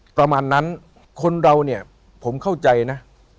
ประมาณนั้นคนเราเนี่ยผมเข้าใจนะ